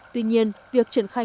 tuy nhiên việc triển khai